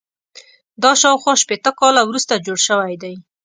دا شاوخوا شپېته کاله وروسته جوړ شوی دی.